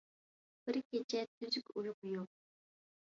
بىر كېچە تۈزۈك ئۇيقۇ يوق.